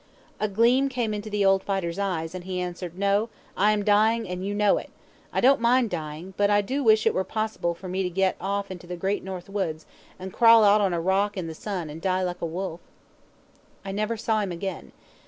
A gleam came into the old fighter's eyes and he answered: "No, I am dying, and you know it. I don't mind dying; but I do wish it were possible for me to get off into the great north woods and crawl out on a rock in the sun and die like a wolf!" I never saw him again.